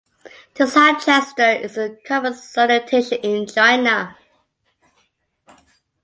This hand gesture is a common salutation in China.